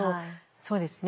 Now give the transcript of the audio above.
そうですね。